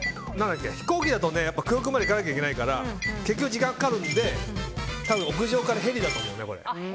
飛行機だと空港まで行かなきゃいけないから結局、時間がかかるので多分屋上からヘリだと思うね。